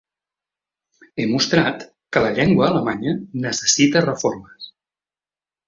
He mostrat que la llengua alemanya necessita reformes.